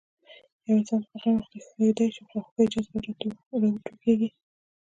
یو انسان په غم اخته شي خواخوږۍ جذبه راوټوکېږي.